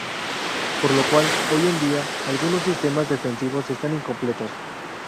Por lo cual, hoy en día, algunos sistemas defensivos están incompletos.